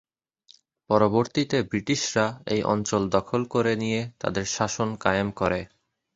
পরবর্তীতে ব্রিটিশরা এই অঞ্চল দখল করে নিয়ে তাদের শাসন কায়েম করে।